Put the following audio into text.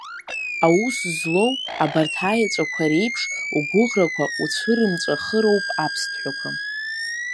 Аус злоу абарҭ аеҵәақәа реиԥш угәыӷрақәа уцәырымҵәахыроуп аԥсҭҳәақәа…